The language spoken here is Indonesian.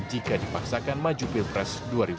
jika dipaksakan maju pilpres dua ribu sembilan belas